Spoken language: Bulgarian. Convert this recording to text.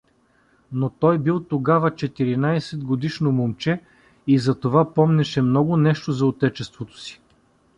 Но той бил тогава четиринайсетгодишно момче и затова помнеше много нещо за отечеството си.